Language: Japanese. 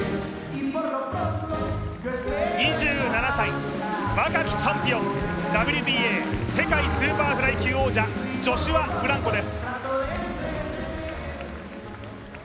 ２７歳、若きチャンピオンＷＢＡ世界スーパーフライ級王者ジョシュア・フランコです。